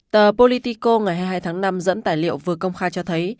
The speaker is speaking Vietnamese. tờ politico ngày hai mươi hai tháng năm dẫn tài liệu vừa công khai cho thấy